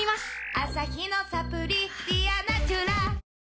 アサヒのサプリ「ディアナチュラ」